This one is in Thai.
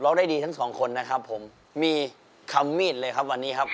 ได้ดีทั้งสองคนนะครับผมมีคำมีดเลยครับวันนี้ครับ